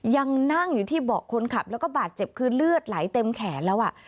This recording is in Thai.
ยังนั่งอยู่ที่เบาะคนขับแล้วก็บาดเจ็บคือเลือดไหลเต็มแขนแล้วอ่ะ